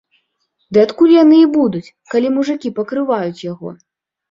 Ды адкуль яны і будуць, калі мужыкі пакрываюць яго?